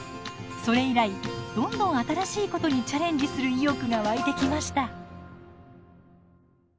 それ以来どんどん新しいことにチャレンジする意欲が湧いてきました。